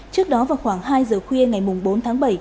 trước đó vào khoảng hai giờ khuya ngày bốn tháng bảy